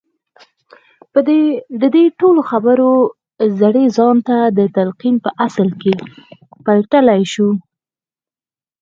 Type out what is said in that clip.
د دې ټولو خبرو زړی ځان ته د تلقين په اصل کې پلټلای شو.